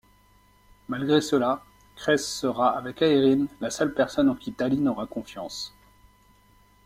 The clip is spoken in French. Malgré cela, Crais sera, avec Aeryn, la seule personne en qui Talyn aura confiance.